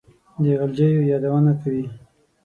د غلجیو یادونه کوي.